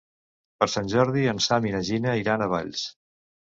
Per Sant Jordi en Sam i na Gina iran a Valls.